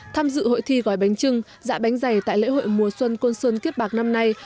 tham dự hội thi gói bánh trưng dạ bánh dày tại lễ hội mùa xuân côn sơn kiếp bạc năm nay